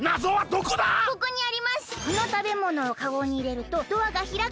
「このたべものをカゴにいれるとドアがひらく」